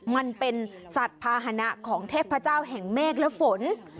มันเป็นสัตว์ภาษณะของเทพเจ้าแห่งเมฆและฝน